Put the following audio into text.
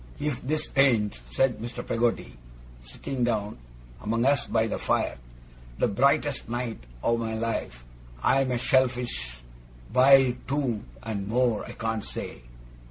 'If this ain't,' said Mr. Peggotty, sitting down among us by the fire, 'the brightest night o' my life, I'm a shellfish biled too and more I can't say.